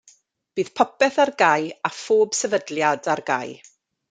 Bydd popeth ar gau a phob sefydliad ar gau.